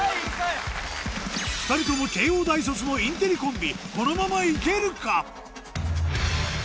２人とものインテリコンビこのままいけるか？